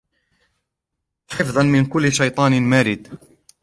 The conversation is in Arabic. وحفظا من كل شيطان مارد